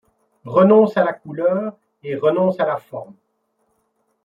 Renonce à la couleur et renonce à la forme ;